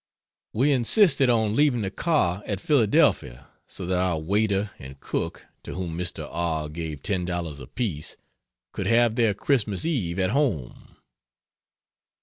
We insisted on leaving the car at Philadelphia so that our waiter and cook (to whom Mr. R. gave $10 apiece,) could have their Christmas eve at home.